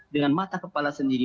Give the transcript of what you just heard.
dengan mata kepala sendiri